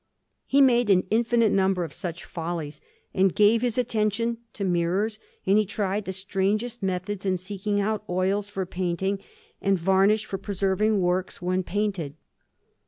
He made an infinite number of such follies, and gave his attention to mirrors; and he tried the strangest methods in seeking out oils for painting, and varnish for preserving works when painted.